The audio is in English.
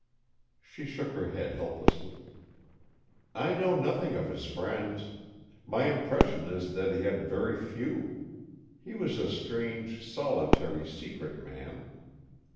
She shook her head helplessly. "I know nothing of his friends. My impression is that he had very few. He was a strange, solitary, secret man."